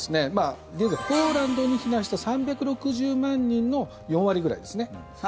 現在ポーランドに避難した３６０万人の４割ぐらいですね。